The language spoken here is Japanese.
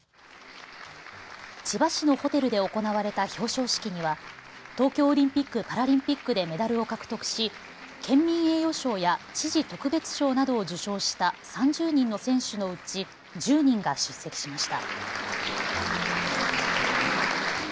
千葉市のホテルで行われた表彰式には東京オリンピック・パラリンピックでメダルを獲得し県民栄誉賞や知事特別賞などを受賞した３０人の選手のうち１０人が出席しました。